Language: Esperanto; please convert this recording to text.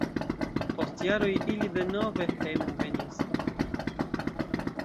Post jaroj ili denove hejmenvenis.